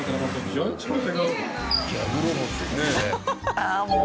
ああもう。